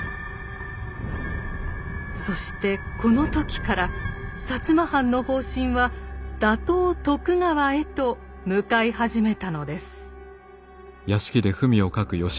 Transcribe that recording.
そしてこの時から摩藩の方針は打倒徳川へと向かい始めたのです。